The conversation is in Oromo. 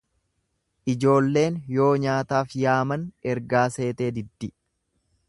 ljoolleen yoo nyaataaf yaaman ergaa seetee diddi.